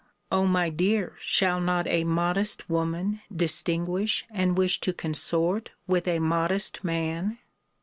O my dear, shall not a modest woman distinguish and wish to consort with a modest man?